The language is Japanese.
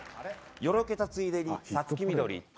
「よろけたついでに五月みどり」